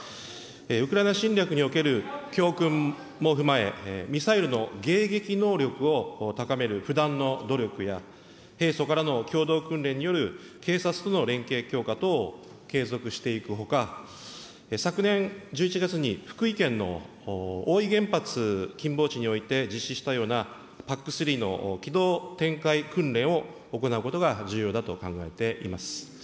ウクライナ侵略における教訓も踏まえ、ミサイルの迎撃能力を高める不断の努力や、平素からの共同訓練による警察との連携強化等を継続していくほか、昨年１１月に福井県のおおい原発近傍地において実施したような、ＰＡＣ３の機動展開訓練を行うことが重要だと考えています。